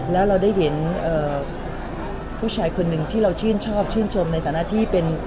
แล้วเราได้เห็นผู้ชายคนหนึ่งที่เราชื่นชอบชื่นชมในฐานะที่เป็น